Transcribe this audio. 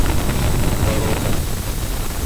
ворота